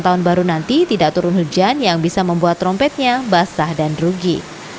tahun baru nanti tidak turun hujan yang bisa membuat trompetnya basah dan rugi